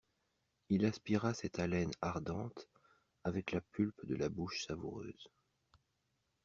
Il aspira cette haleine ardente avec la pulpe de la bouche savoureuse.